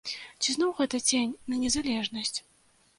Ці зноў гэта цень на незалежнасць?